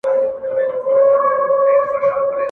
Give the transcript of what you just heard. د بابا په باور استعمارګر